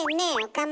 岡村。